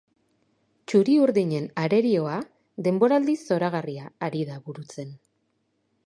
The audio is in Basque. Txuri-urdinen arerioa denboraldi zoragarria ari da burutzen.